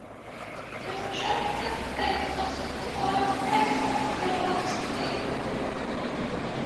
They join hands by grasping one end of a long stick.